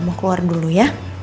mau keluar dulu ya